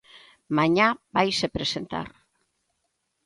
Mañá vaise presentar.